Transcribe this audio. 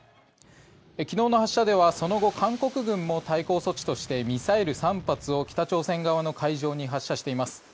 昨日の発射ではその後、韓国軍もミサイル３発を北朝鮮側の海上に発射しています。